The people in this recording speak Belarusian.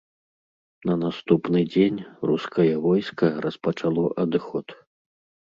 На наступны дзень рускае войска распачало адыход.